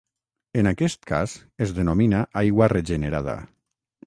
En aquest cas es denomina aigua regenerada.